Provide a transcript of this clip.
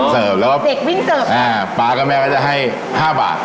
เสิร์ฟแล้วว่าป๊ากับแม่ก็จะให้๕บาท